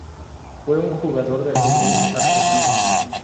Fue un jugador de ajedrez argentino.